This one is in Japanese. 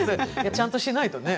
ちゃんとしないとね。